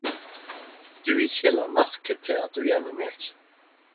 Du ikkje la merke til at du gjennomgjekk.